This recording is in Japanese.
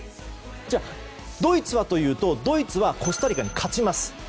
じゃあ、ドイツはというとコスタリカに勝ちます。